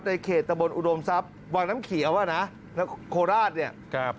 ในเขตตะบนอุดมทรัพย์วันน้ำเขียวนะโคลาสเนี่ย